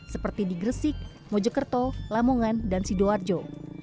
seperti di gresik mojokerto lamongan dan sidoarjo